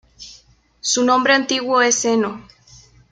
Su nombre antiguo es Eno.